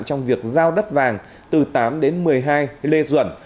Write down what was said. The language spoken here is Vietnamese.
trong việc giao đất vàng từ tám đến một mươi hai lê duẩn